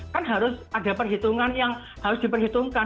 kan harus ada perhitungan yang harus diperhitungkan